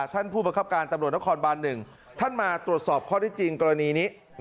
ท่านผู้ประคับการตำรวจนครบาน๑ท่านมาตรวจสอบข้อได้จริงกรณีนี้